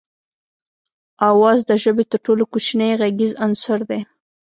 آواز د ژبې تر ټولو کوچنی غږیز عنصر دی